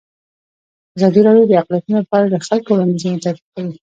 ازادي راډیو د اقلیتونه په اړه د خلکو وړاندیزونه ترتیب کړي.